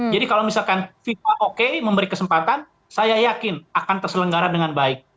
jadi kalau misalkan fifa oke memberi kesempatan saya yakin akan terselenggaran dengan baik